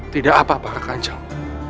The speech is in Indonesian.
tidak apa apa kak kanjong